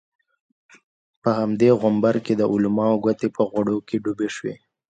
په همدې غومبر کې د علماوو ګوتې په غوړو کې ډوبې شوې.